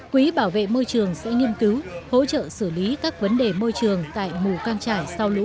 quý bảo vệ môi trường sẽ nghiên cứu hỗ trợ xử lý các vấn đề môi trường tại mù căng trải sau lũ